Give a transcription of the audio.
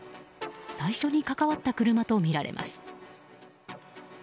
最初に関わった車とみられます。